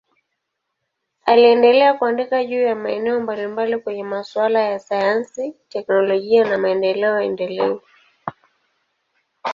Aliendelea kuandika juu ya maeneo mbalimbali kwenye masuala ya sayansi, teknolojia na maendeleo endelevu.